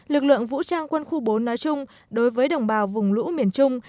lực lượng vũ trang quân khu bốn nói chung đối với đồng bào vùng lũ miền trung